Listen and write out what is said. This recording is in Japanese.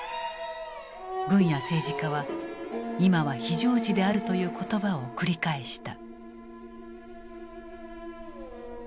軍や政治家は「今は非常時である」という言葉を繰り返した。